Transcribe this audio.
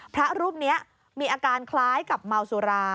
พระรูปนี้มีอาการคล้ายกับเมาสุรา